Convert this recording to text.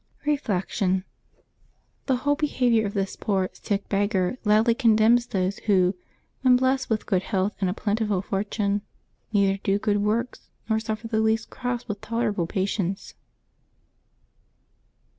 Reflection. — The whole behaviour of this poor sick beg gar loudly condemns those who, when blessed with good health and a plentiful fortune, neither do good works nor suffer the least cross with tolerable patience.